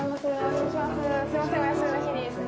すみません。